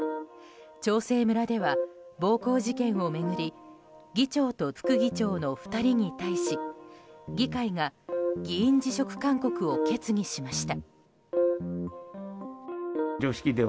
長生村では暴行事件を巡り議長と副議長の２人に対し議会が議員辞職勧告を決議しました。